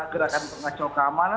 gerakan pengacau keamanan